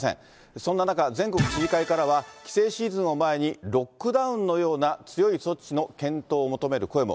そんな中、全国知事会からは、帰省シーズンを前に、ロックダウンのような強い措置の検討を求める声も。